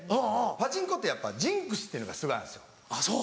パチンコってやっぱジンクスっていうのがすごいあるんです。